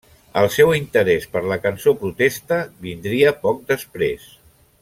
El seu interès per la Cançó protesta vindria poc després.